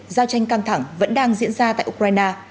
giao tranh căng thẳng vẫn đang diễn ra tại ukraine